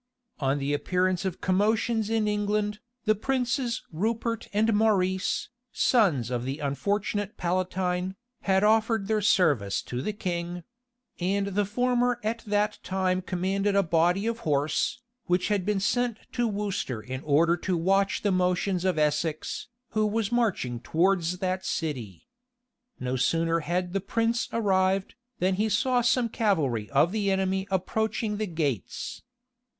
On the appearance of commotions in England, the princes Rupert and Maurice, sons of the unfortunate palatine, had offered their service to the king; and the former at that time commanded a body of horse, which had been sent to Worcester in order to watch the motions of Essex, who was marching towards that city. No sooner had the prince arrived, than he saw some cavalry of the enemy approaching the gates.